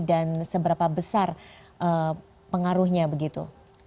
dan seberapa besar pengaruhnya begitu